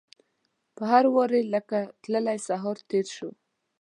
په هر واري لکه تللی سهار تیر شو